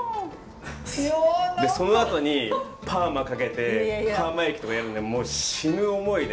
でそのあとにパーマかけてパーマ液とかやるんでもう死ぬ思いで。